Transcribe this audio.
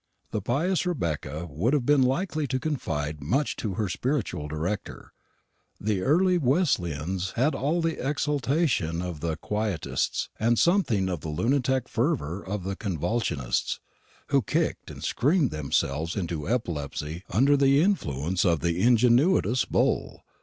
The pious Rebecca would have been likely to confide much to her spiritual director. The early Wesleyans had all the exaltation of the Quietists, and something of the lunatic fervour of the Convulsionists, who kicked and screamed themselves into epilepsy under the influence of the Unigenitus Bull.